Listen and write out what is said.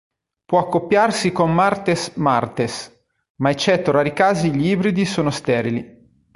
Può accoppiarsi con "Martes martes", ma eccetto rari casi gli ibridi sono sterili.